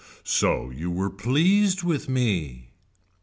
So you were pleased with me.